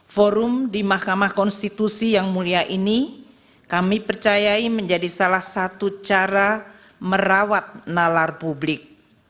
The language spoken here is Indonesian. forum di mahkamah konstitusi yang mulia ini kami percayai menjadi salah satu cara merawat nalar publik